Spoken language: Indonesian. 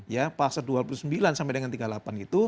ya pasal dua puluh sembilan sampai dengan tiga puluh delapan itu